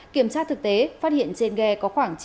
kiểm tra thực tế phát hiện trên ghe có khoảng